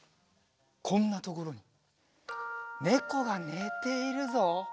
こんなところにねこがねているぞ。